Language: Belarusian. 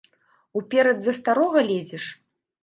Уперад за старога лезеш!